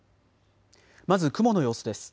まず雲の様子です。